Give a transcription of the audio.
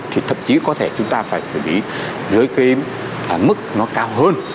thì thậm chí có thể chúng ta phải xử lý dưới cái mức nó cao hơn